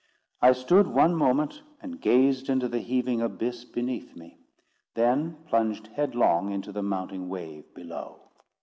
I stood one moment and gazed into the heaving abyss beneath me; then plunged headlong into the mounting wave below.